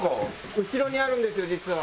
後ろにあるんですよ実は。